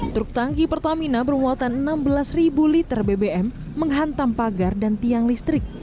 truk tangki pertamina bermuatan enam belas liter bbm menghantam pagar dan tiang listrik